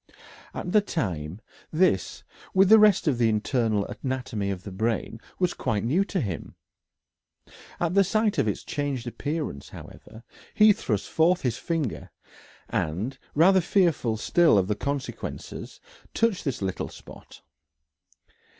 At the time this, with the rest of the internal anatomy of the brain, was quite new to him. At the sight of its changed appearance, however, he thrust forth his finger, and, rather fearful still of the consequences, touched this little spot.